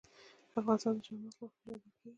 افغانستان د چار مغز له مخې پېژندل کېږي.